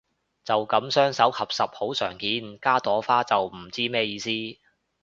就噉雙手合十好常見，加朵花就唔知咩意思